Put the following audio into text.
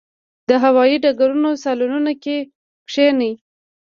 د هوايي ډګرونو صالونونو کې کښېني.